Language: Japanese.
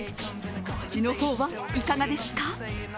お味の方はいかがですか？